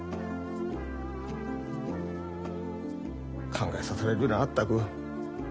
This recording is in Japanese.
考えさせられるよなあったく。